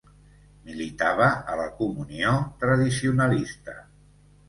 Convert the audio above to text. Militava a la Comunió Tradicionalista.